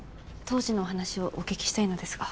当時のお話をお聞きしたいのですが。